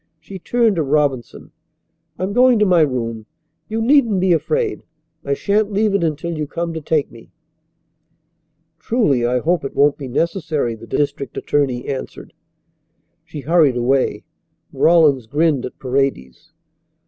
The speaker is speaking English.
She turned to Robinson. "I am going to my room. You needn't be afraid. I shan't leave it until you come to take me." "Truly I hope it won't be necessary," the district attorney answered. She hurried away. Rawlins grinned at Paredes.